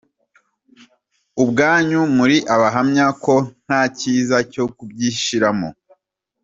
Ubwanyu muri abahamya ko nta cyiza cyo kubyishoramo.